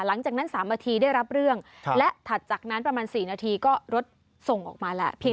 หลังจากนั้น๓นาทีได้รับเรื่องและถัดจากนั้นประมาณ๔นาทีก็รถส่งออกมาแหละ